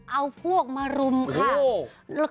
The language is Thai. เอาพวกมารุมค่ะ